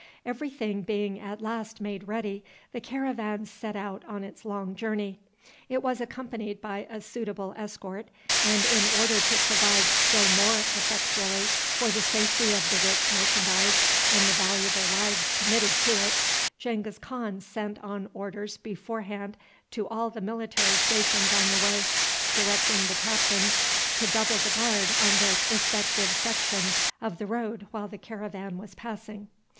Every thing being at last made ready, the caravan set out on its long journey. It was accompanied by a suitable escort, and, in order to provide still more effectually for the safety of the rich merchandise and the valuable lives committed to it, Genghis Khan sent on orders beforehand to all the military stations on the way, directing the captains to double the guard on their respective sections of the road while the caravan was passing.